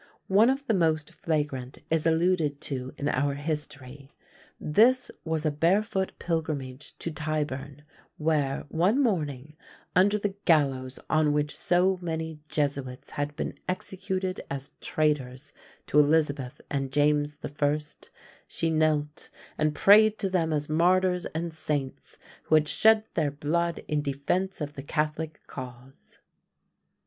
One of the most flagrant is alluded to in our history. This was a barefoot pilgrimage to Tyburn, where, one morning, under the gallows on which so many Jesuits had been executed as traitors to Elizabeth and James the First, she knelt and prayed to them as martyrs and saints who had shed their blood in defence of the Catholic cause.